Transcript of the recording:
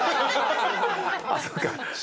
あっそうか。